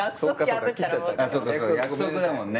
約束だもんね。